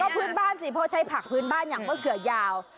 พื้นบ้านสิเพราะใช้ผักพื้นบ้านอย่างมะเขือยาว